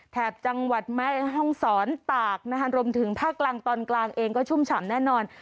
แถบจังหวัดแม่ห้องศรตากนะคะรวมถึงภาคกลางตอนกลางเองก็ชุ่มฉ่ำแน่นอน